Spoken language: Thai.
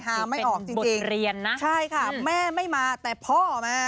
ฮาไม่ออกจริงใช่ค่ะแม่ไม่มาแต่พ่อมา